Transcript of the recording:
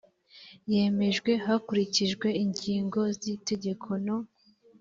yemejwe hakurikijwe ingingo z itegeko no